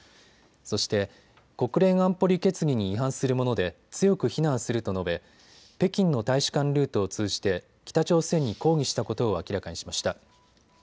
そして国連の安保理決議に違反するもので強く非難すると述べ北京の大使館ルートを通じて北朝鮮に抗議したことを明らかにしました。